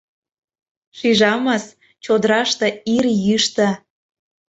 Шижамыс, чодыраште ир йӱштӧ.